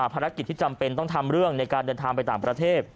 ภารกิจที่จำเป็นต้องทำเรื่องในการเดินทางไปต่างประเทศ